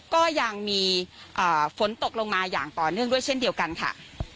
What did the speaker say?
ก็ยังมีฝนตกลงมาอย่างต่อเนื่องด้วยเช่นเดียวกันค่ะ